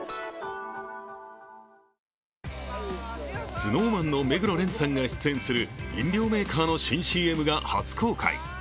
ＳｎｏｗＭａｎの目黒蓮さんが出演する飲料メーカーの新ＣＭが初公開。